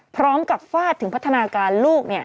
พร้อมกับฟาดถึงพัฒนาการลูก